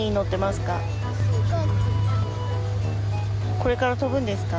これから飛ぶんですか？